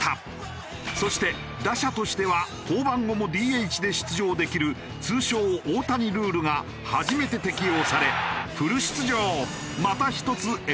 そして打者としては降板後もＤＨで出場できる通称大谷ルールが初めて適用されフル出場。